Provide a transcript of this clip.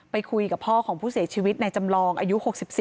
ไปคุยกับพ่อของผู้เสียชีวิตในจำลองอายุ๖๔